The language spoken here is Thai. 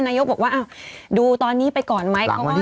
นายกทรัพย์ตอบว่าดูตอนนี้ไปก่อนแม้